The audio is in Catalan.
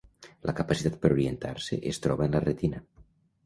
La capacitat per orientar-se es troba en la retina.